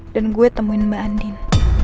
dan gue temuin mbak andin